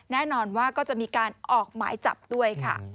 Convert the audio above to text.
แน่นอนว่าก็จะมีการออกหมายจับด้วยค่ะ